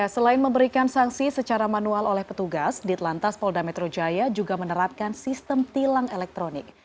selain memberikan sanksi secara manual oleh petugas di telantas polda metro jaya juga menerapkan sistem tilang elektronik